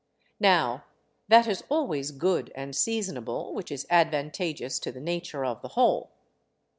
Now, that is always good and seasonable which is advantageous to the nature of the whole.